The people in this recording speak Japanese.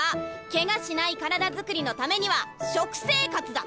ケガしない体作りのためには食生活だ！